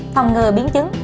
phòng ngừa biến chứng